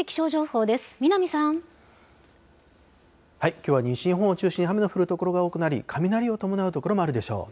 きょうは西日本を中心に雨の降る所が多くなり、雷を伴う所もあるでしょう。